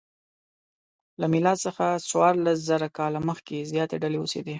له میلاد څخه څوارلسزره کاله مخکې زیاتې ډلې اوسېدې.